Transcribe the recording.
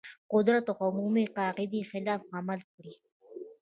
قدرت عمومي قاعدې خلاف عمل کړی.